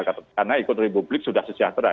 karena ikut republik sudah sejahtera